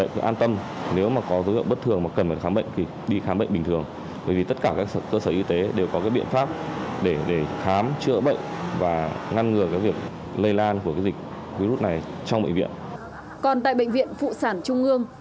còn tại bệnh viện phụ sản trung ương